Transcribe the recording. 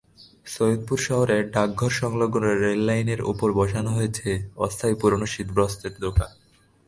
সৈয়দপুর শহরের ডাকঘরসংলগ্ন রেললাইনের ওপর বসানো হয়েছে অস্থায়ী পুরোনো শীতবস্ত্রের দোকান।